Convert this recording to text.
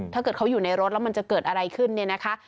ถ้าเกิดเขาอยู่ในรถแล้วมันจะเกิดอะไรขึ้นเนี่ยนะคะ